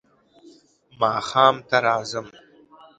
ماښام ته راځم .